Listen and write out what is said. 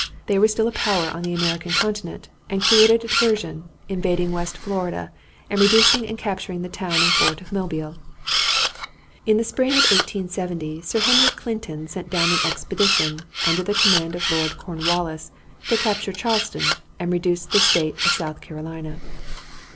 They were still a power on the American continent, and created a diversion, invading West Florida and reducing and capturing the town and fort of Mobile. In the spring of 1780 Sir Henry Clinton sent down an expedition under the command of Lord Cornwallis to capture Charleston and reduce the State of South Carolina.